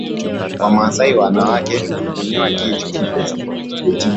Wamasai wanawake vunyoa kichwa vyao ni kawaida katika sherehe za kubalehe